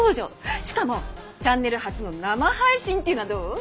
しかもチャンネル初の生配信っていうのはどう？